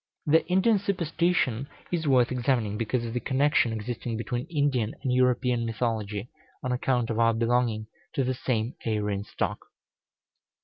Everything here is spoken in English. The Indian superstition is worth examining, because of the connection existing between Indian and European mythology, on account of our belonging to the same Aryan stock.